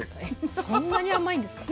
そんなに甘いんですか。ね